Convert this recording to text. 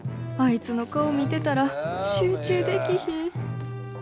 あいつの顔見てたら集中できひん。